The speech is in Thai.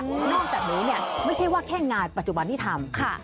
นอกจากนี้เนี่ยไม่ใช่ว่าแค่งานปัจจุบันที่ทำ